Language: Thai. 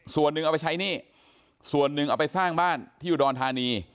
ส่วนหนึ่งเอาไปใช้หนี้ส่วนหนึ่งเอาไปสร้างบ้านที่อุดรธานี